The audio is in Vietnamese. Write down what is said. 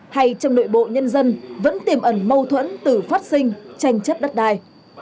hay trong nội bộ nhân dân vẫn tiềm ẩn mâu thuẫn từ phát sinh tranh chất đất đài